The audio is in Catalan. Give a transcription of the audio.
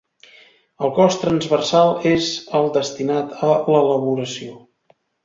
El cos transversal és el destinat a l'elaboració.